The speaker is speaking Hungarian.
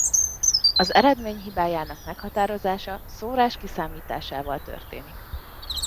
Az eredmény hibájának meghatározása szórás kiszámításával történik.